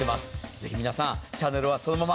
ぜひ皆さん、チャンネルはそのまま。